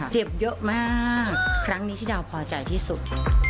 เจ็บเยอะมากครั้งนี้ที่ดาวพอใจที่สุด